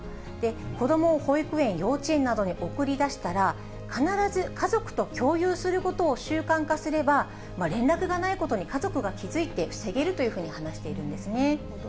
子どもを保育園、幼稚園などに送り出したら、必ず家族と共有することを習慣化すれば、連絡がないことに家族が気付いて防げるというふうに話しているんなるほど。